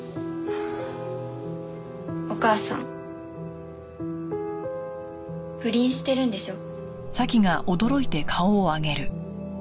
お母さん不倫してるんでしょ？